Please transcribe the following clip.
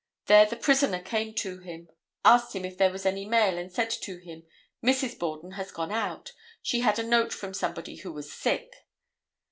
There the prisoner came to him, asked him if there was any mail and said to him, "Mrs. Borden has gone out; she had a note from somebody who was sick."